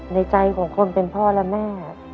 ในใจของคนเป็นพ่อและแม่